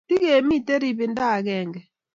Tigemite rebendo agenge